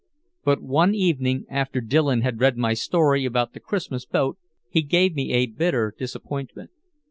But one evening, after Dillon had read my story about the Christmas Boat, he gave me a bitter disappointment.